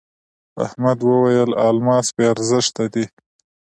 احمد وويل: الماس بې ارزښته دی.